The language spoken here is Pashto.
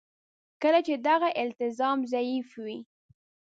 کله چې دغه التزام ضعیف وي.